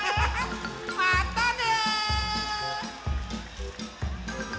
まったね！